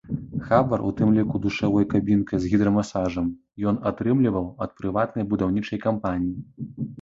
Хабар, у тым ліку душавой кабінкай з гідрамасажам, ён атрымліваў ад прыватнай будаўнічай кампаніі.